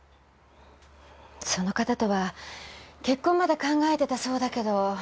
その方とは結婚まで考えてたそうだけど。